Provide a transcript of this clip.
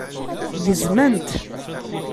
Gezmen-t.